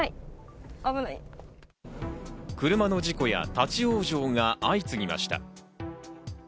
車の事故や立ち往生が相次ぎました。